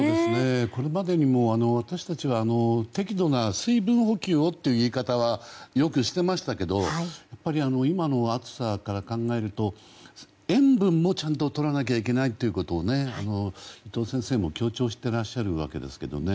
これまでにも私たちは適度な水分補給をという言い方はよくしていましたけど今の暑さから考えると塩分もちゃんととらなきゃいけないということを伊藤先生も強調してらっしゃるわけですけどね。